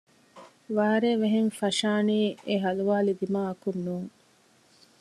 ވާރޭ ވެހެން ފަށާނީ އެހަލުވާލި ދިމާއަކުން ނޫން